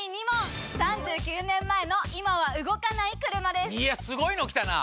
８１万⁉いやすごいの来たな！